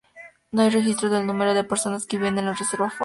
No hay registro del número de personas que viven en la reserva forestal.